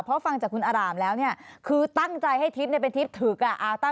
เพราะฟังจากคุณอร่ามแล้วเนี่ยคือตั้งใจให้ทริปเนี่ยเป็นทริปถึกอ่ะ